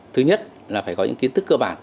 thứ nhất là phải có những kiến thức cơ bản